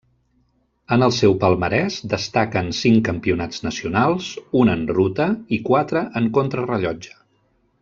En el seu palmarès destaquen cinc campionats nacionals, un en ruta, i quatre en contrarellotge.